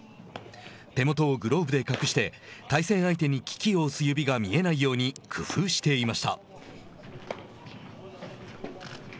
手元をグローブで隠して対戦相手に機器を押す指が見えないように工夫していました。